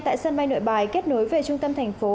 tại sân bay nội bài kết nối về trung tâm thành phố